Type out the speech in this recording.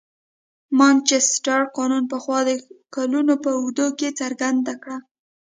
مانچستر قانون پخوا د کلونو په اوږدو کې څرګنده کړه.